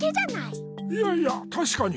いやいやたしかに。